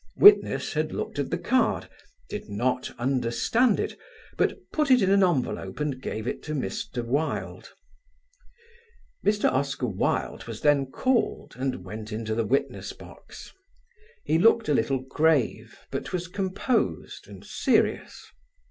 Witness had looked at the card; did not understand it; but put it in an envelope and gave it to Mr. Wilde. Mr. Oscar Wilde was then called and went into the witness box. He looked a little grave but was composed and serious.